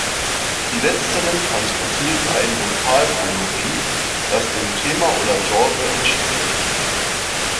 Die Letzteren transportieren ein Lokalkolorit, das dem Thema oder Genre entspricht.